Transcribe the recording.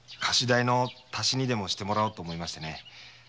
菓子代の足しにでもしてもらおうと思いましてね。